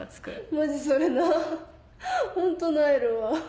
マジそれなホント萎えるわ。